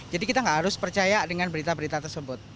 jadi kita nggak harus percaya dengan berita berita tersebut